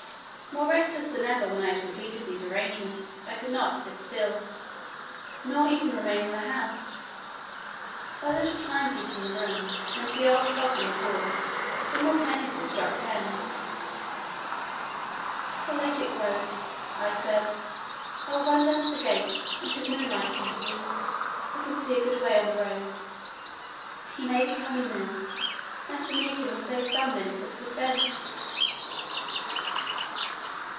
More restless than ever, when I had completed these arrangements I could not sit still, nor even remain in the house: a little time piece in the room and the old clock in the hall simultaneously struck ten. "How late it grows!" I said. "I will run down to the gates: it is moonlight at intervals; I can see a good way on the road. He may be coming now, and to meet him will save some minutes of suspense."